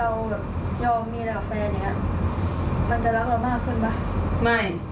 หนูว่าหนูโน้ม